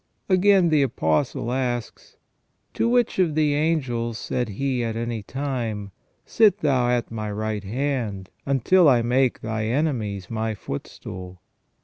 Again, the Apostle asks :" To which of the angels said He at any time : Sit thou at My right hand, until I make thy enemies My footstool?"